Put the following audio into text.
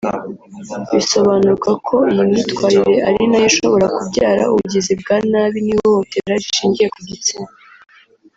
Bisobanurwa ko iyi myitwarire ari na yo ishobora kubyara ubugizi bwa nabi n’ihohotera rishingiye ku gitsina